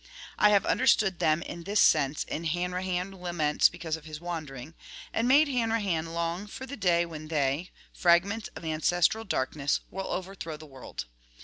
I have understood them in this sense in * Hanrahan laments because of his wandering,' and made Hanrahan long for the 93 day when they, fragments of ancestral dark ness, will overthrow the world.